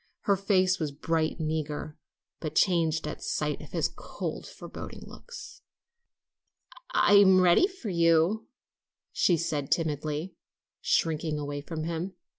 Her face was bright and eager, but changed at sight of his cold, forbidding looks. "I am ready for you," she said timidly, shrinking away from him.